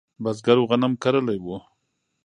بزګرو غنم کرلی و.